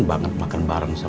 banget makan bareng sama